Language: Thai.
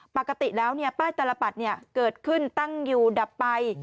ปกติแล้วป้ายตลปัดเกิดขึ้นตั้งอยู่ดับไป